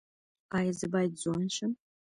ایا زه باید ځوان شم؟